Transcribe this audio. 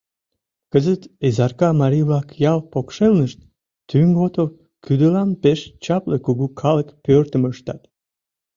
Кызыт Изарка марий-влак ял покшелнышт Тӱҥото кӱдылан пеш чапле кугу калык пӧртым ыштат.